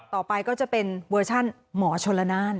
ต่อไปก็จะเป็นเวอร์ชันหมอชนละนาน